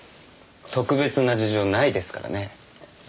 特別な事情ないですからね。